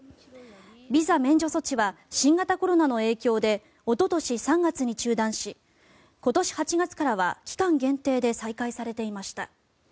ビザ免除措置は新型コロナの影響でおととし３月に中断し今年８月からは期間限定で再開されていました。